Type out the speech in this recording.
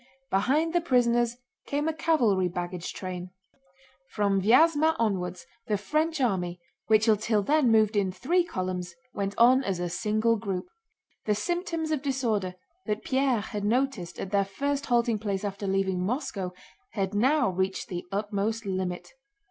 Behind the prisoners came a cavalry baggage train. From Vyázma onwards the French army, which had till then moved in three columns, went on as a single group. The symptoms of disorder that Pierre had noticed at their first halting place after leaving Moscow had now reached the utmost limit.